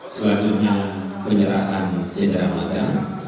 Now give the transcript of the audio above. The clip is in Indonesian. selanjutnya penyerahan cendera mata